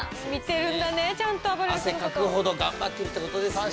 汗かくほど頑張っているっていうことですね。